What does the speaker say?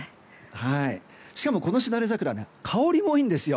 しかも、このしだれ桜香りもいいんですよ。